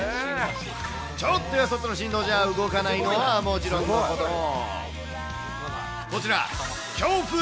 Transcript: ちょっとやそっとの振動じゃ動かないのはもちろんのこと、こちら、強風。